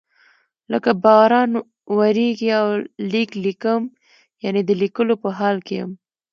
لکه باران وریږي او لیک لیکم یعنی د لیکلو په حال کې یم.